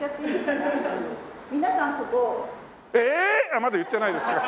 あっまだ言ってないですか。